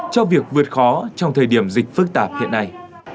cho việc vượt khó trong thời điểm dịch phức tạp hiện nay